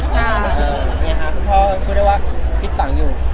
นะคะคุณพ่อกลุ่นได้ว่าฟิตป่ะก่อนอยู่